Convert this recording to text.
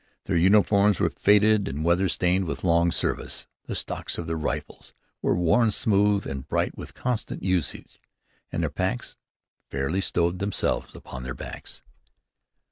Their uniforms were faded and weather stained with long service. The stocks of their rifles were worn smooth and bright with constant usage, and their packs fairly stowed themselves upon their backs.